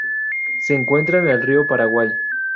Se encuentra en el río Paraguay.